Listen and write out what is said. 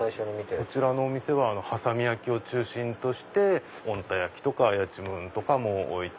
こちらのお店は波佐見焼を中心として小鹿田焼とかやちむんとかも置いて。